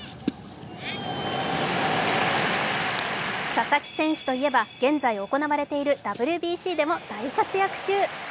佐々木選手といえば、現在行われているＷＢＣでも大活躍中。